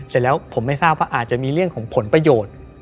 เสร็จแล้วผมไม่ทราบว่าอาจจะมีเรื่องของผลประโยชน์